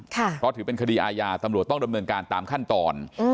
เพราะถือเป็นคดีอาญาตำรวจต้องดำเนินการตามขั้นตอน